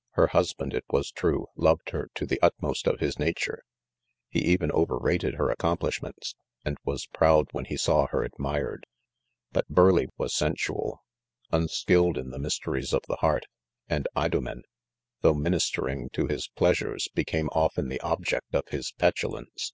' Her husband it was true, loved h&t to the utmost of his nature \ he even over rated her accomplishments, and was proud when he' saw her admired. Bnt Burleigh was sensual 5 unskilled in the mysteries of the heart; and Idomen, though ministering to his pleas Tires, became often the object of his petulance.